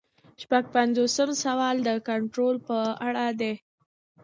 شپږ پنځوسم سوال د کنټرول په اړه دی.